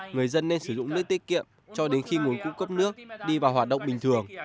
người dân nên sử dụng nước tiết kiệm cho đến khi nguồn cung cấp nước đi vào hoạt động bình thường